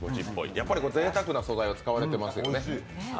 やっぱり、ぜいたくな素材を使われてますよね。